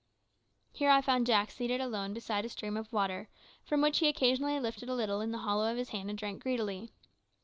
Here I found Jack seated alone beside a stream of water, from which he occasionally lifted a little in the hollow of his hand and drank greedily.